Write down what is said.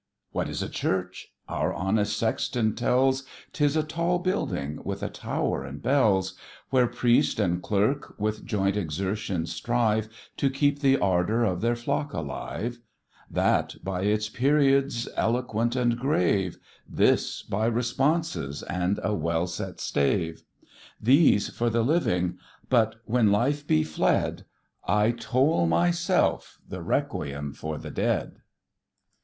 "What is a Church?" Our honest Sexton tells, "'Tis a tall building, with a tower and bells; Where priest and clerk with joint exertion strive To keep the ardour af their flock alive; That, by its periods eloquent and grave; This, by responses, and a well set stave: These for the living; but when life be fled, I toll myself the requiem for the dead."